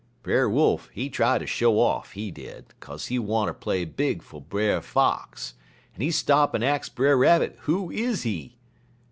Brer Wolf, he try ter show off, he did, kase he wanter play big 'fo' Brer Fox, en he stop en ax Brer Rabbit who is he.